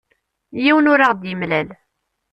Yiwen ur aɣ-d-yemlal.